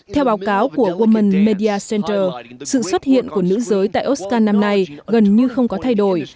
theo báo cáo của women media center sự xuất hiện của nữ giới tại oscan năm nay gần như không có thay đổi